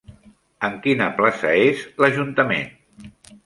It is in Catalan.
En quina plaça és l'ajuntament?